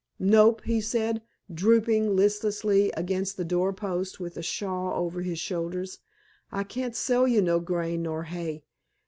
"Nope," he said, drooping listlessly against the door post with a shawl over his shoulders, "I cain't sell you no grain nor hay.